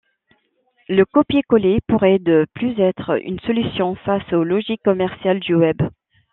Le copier-coller pourrait de plus être une solution face aux logiques commerciales du web.